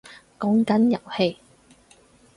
講緊遊戲